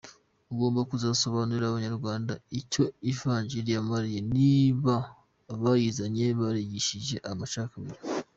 Ugomba kuzasobanurira abanyarwanda icyo Ivanjili yabamariye niba abayizanye barigishije amacakubiri.